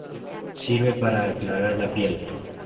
Sirve para aclarar la piel.